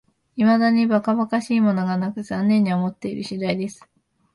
いまだにはかばかしいものがなく、残念に思っている次第です